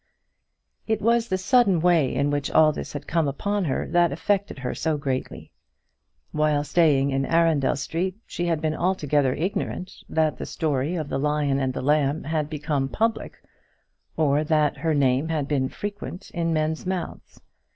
It was the sudden way in which all this had come upon her that affected her so greatly. While staying in Arundel Street she had been altogether ignorant that the story of the Lion and the Lamb had become public, or that her name had been frequent in men's mouths.